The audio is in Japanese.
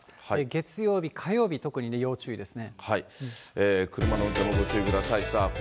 月曜日、火曜日、特に要注意です